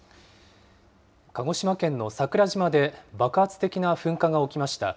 鹿児島県の桜島で爆発的な噴火が起きました。